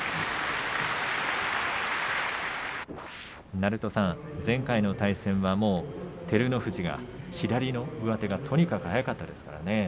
鳴戸さん、前回の対戦はもう照ノ富士が左の上手がとにかく速かったですからね。